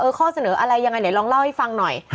เฮ้ยข้อเสนออะไรยังไงลองเล่าให้ฟังหน่อย